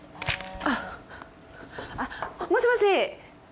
あっ。もしもし？